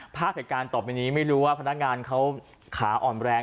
ภาพเหตุการณ์ต่อไปนี้ไม่รู้ว่าพนักงานเขาขาอ่อนแรง